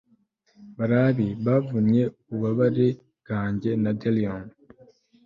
barabi! bavunye ububabare bwanjye na delirium